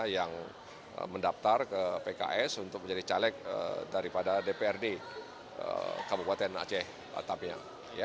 yang mendaftar ke pks untuk menjadi caleg daripada dprd kabupaten aceh batavia